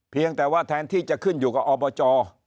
เพียงแต่ว่าแทนที่จะขึ้นอยู่กับอบจ